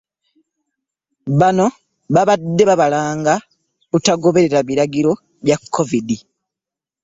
Bano babadde babalanga butagondera biragiro bya covid.